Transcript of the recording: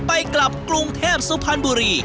ไปกลับกรุงเทพสุพรรณบุรี